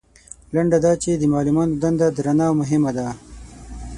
لنډه دا چې د معلمانو دنده درنه او مهمه ده.